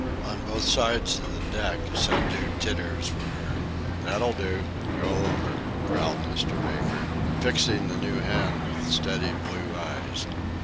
On both sides of the deck subdued titters were heard. "That'll do. Go over," growled Mr. Baker, fixing the new hand with steady blue eyes.